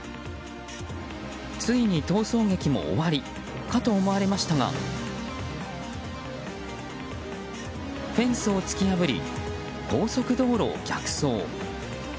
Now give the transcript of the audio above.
ついに逃走劇も終わりかと思われましたがフェンスを突き破り高速道路を逆走。